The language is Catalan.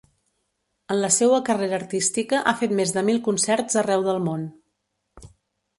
En la seua carrera artística ha fet més de mil concerts arreu del món.